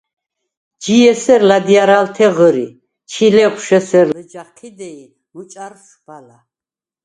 ჯი ესერ ლა̈დჲარალთე ღჷრი, ჩილეღვშ ესერ ლჷჯა ჴიდე ი მჷჭა̈რშვ ბალა.